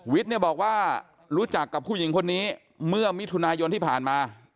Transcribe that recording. เนี่ยบอกว่ารู้จักกับผู้หญิงคนนี้เมื่อมิถุนายนที่ผ่านมา